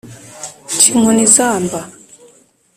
ca inkoni izamba